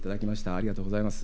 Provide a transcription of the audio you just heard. ありがとうございます。